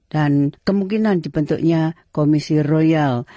dan kemungkinan dibentuknya komisi royal